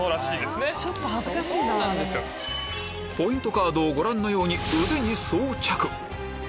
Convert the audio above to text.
カードをご覧のように腕に装着！